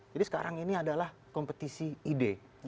jadi sekarang ini adalah kompetisi ide